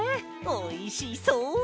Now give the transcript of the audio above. おいしそう！